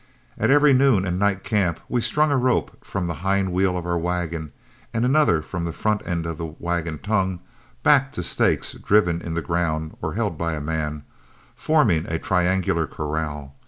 At every noon and night camp we strung a rope from the hind wheel of our wagon and another from the end of the wagon tongue back to stakes driven in the ground or held by a man, forming a triangular corral.